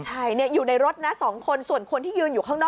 ใช่อยู่ในรถนะ๒คนส่วนคนที่ยืนอยู่ข้างนอก